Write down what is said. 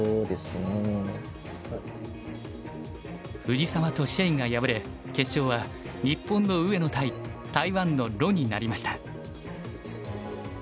藤沢と謝が敗れ決勝は日本の上野対台湾の盧になりました。